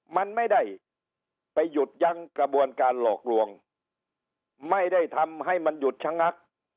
มันไม่ได้ไปหยุดยั้งกระบวนการหลอกลวงไม่ได้ทำให้มันหยุดชะงัก